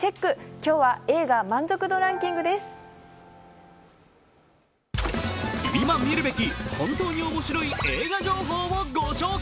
今見るべき本当におもしろい映画情報をご紹介。